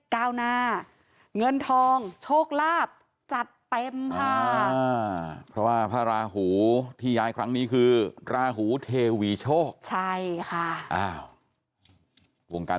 ก้าวหน้าเงินทองโชคลาภจัดเต็มค่ะเพราะว่าพระราหูที่ย้ายครั้งนี้คือราหูเทวีโชคใช่ค่ะวงการ